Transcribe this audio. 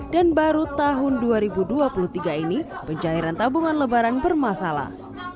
dan baru tahun dua ribu dua puluh tiga ini pencairan tabungan lebaran bermasalah